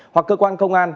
hoặc cơ quan công an